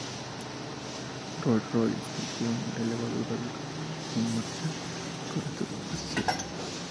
Rolls-Royce consiguió un elevado grado de calidad de marcha con esta disposición.